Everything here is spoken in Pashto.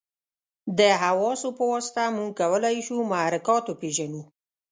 د حواسو په واسطه موږ کولای شو محرکات وپېژنو.